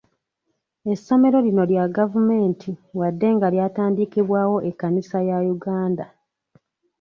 Essomero lino lya gavumenti wadde nga lyatandikibwawo ekkanisa ya Uganda.